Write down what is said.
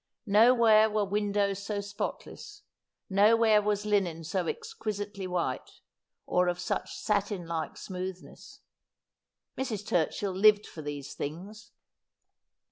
Nowhere were windows so spotless ; nowhere was linen so exquisitely white, or of such satin like smoothness. Mrs. Turchill lived for these things.